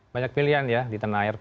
banyak pilihan ya di tanah air